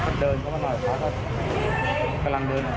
ก็เดินเข้ามาหน่อยพระพระกำลังเดินออกไป